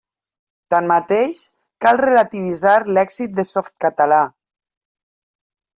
Tanmateix, cal relativitzar l'èxit de Softcatalà.